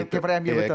keeper mu betul